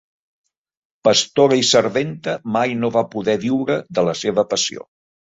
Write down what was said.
Pastora i serventa, mai no va poder viure de la seva passió.